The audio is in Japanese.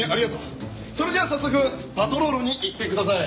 それじゃあ早速パトロールに行ってください。